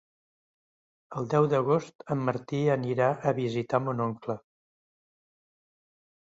El deu d'agost en Martí anirà a visitar mon oncle.